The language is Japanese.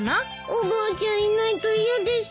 おばあちゃんいないと嫌です。